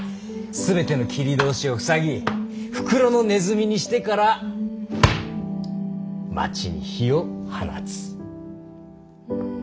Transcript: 全ての切り通しを塞ぎ袋のネズミにしてから町に火を放つ。